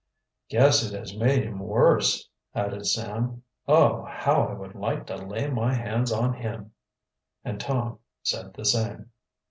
"Guess it has made him worse," added Sam. "Oh, how I would like to lay my hands on him!" And Tom said the same.